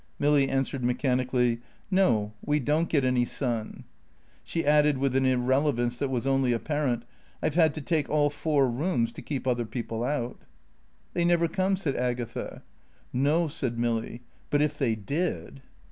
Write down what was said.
Milly answered mechanically, "No, we don't get any sun." She added with an irrelevance that was only apparent, "I've had to take all four rooms to keep other people out." "They never come," said Agatha. "No," said Milly, "but if they did